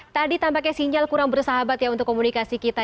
tadi tampaknya sinyal kurang bersahabat ya untuk komunikasi kita